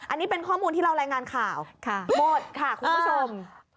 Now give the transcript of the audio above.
อันนี้เป็นข้อมูลที่เรารายงานข่าวหมดค่ะคุณผู้ชม